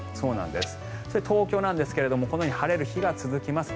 東京ですがこのように晴れる日が続きます。